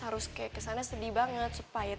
harus kayak kesannya sedih banget sepahit